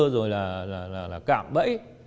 rồi là cạm bẫy